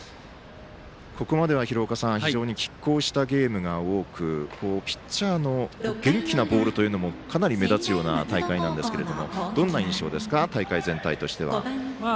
ここまでは廣岡さんきっ抗したゲームが多くピッチャーの元気なボールというのもかなり目立つような大会なんですがどんな印象ですか大会全体としては。